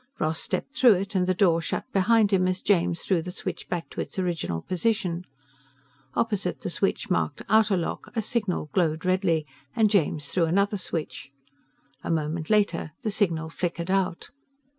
Ross stepped through it and the door shut behind him as James threw the switch back to its original position. Opposite the switch marked OUTER LOCK a signal glowed redly and James threw another switch. A moment later the signal flickered out.